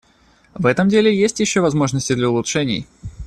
В этом деле есть еще возможности для улучшений.